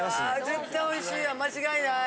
絶対おいしいわ間違いない。